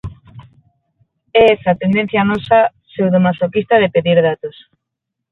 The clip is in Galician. É esa tendencia nosa pseudomasoquista de pedir datos.